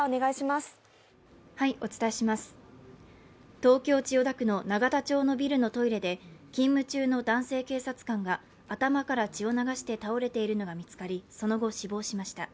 東京・千代田区の永田町のビルのトイレで勤務中の男性警察官が頭から血を流して倒れているのが見つかりその後、死亡しました。